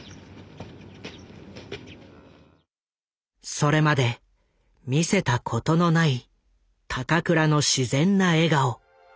それまで見せたことのない高倉の自然な笑顔。